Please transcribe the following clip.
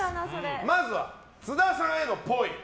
まずは津田さんへのぽい。